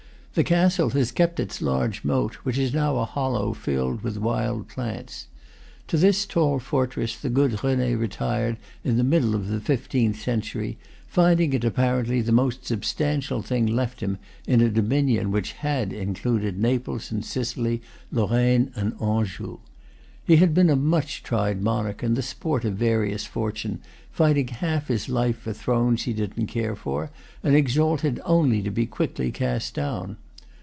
The castle has kept its large moat, which is now a hollow filled with wild plants. To this tall fortress the good Rene retired in the middle of the fifteenth century, finding it apparently the most substantial thing left him in a dominion which had included Naples and Sicily, Lorraine and Anjou. He had been a much tried monarch and the sport of a various fortune, fighting half his life for thrones he didn't care for, and exalted only to be quickly cast down.